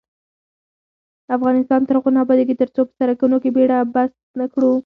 افغانستان تر هغو نه ابادیږي، ترڅو په سرکونو کې بیړه بس نکړو.